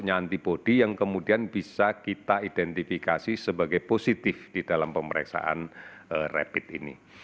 ada antibody yang kemudian bisa kita identifikasi sebagai positif di dalam pemeriksaan rapid ini